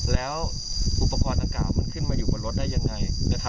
แล้วอุปกรณ์ดังกล่าวมันขึ้นมาอยู่บนรถได้ยังไง